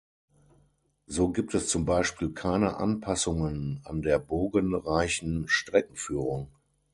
So gibt es zum Beispiel keine Anpassungen an der bogen reichen Streckenführung.